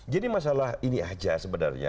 jadi masalah ini saja sebenarnya